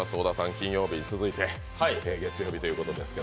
金曜日に続いて月曜日ということで。